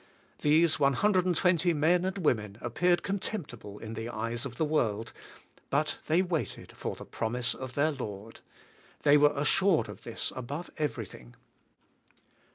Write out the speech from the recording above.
These 120 inen and women appeared contemptible in the eyes of the world, but they waited for the promise of their Lord. They were assured of this above every thing".